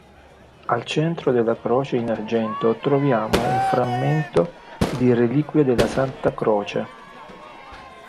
Al centro della croce in argento troviamo un frammento di reliquia della santa croce.